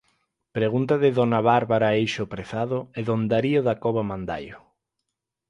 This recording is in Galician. Pregunta de dona Bárbara Eixo Prezado e don Darío Dacova Mandaio.